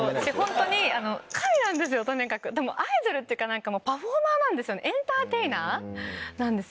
とにかくでもアイドルっていうかパフォーマーなんですよね。